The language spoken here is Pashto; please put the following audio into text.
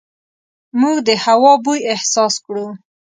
موږ د هوا بوی احساس کړو.